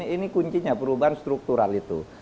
ini kuncinya perubahan struktural itu